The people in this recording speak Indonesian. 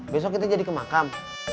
besok kita jadi kemakam